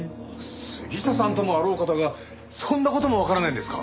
杉下さんともあろうお方がそんな事もわからないんですか？